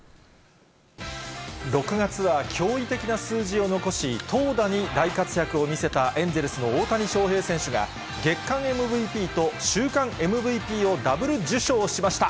６月は驚異的な数字を残し、投打に大活躍を見せた、エンゼルスの大谷翔平選手が、月間ＭＶＰと週間ＭＶＰをダブル受賞しました。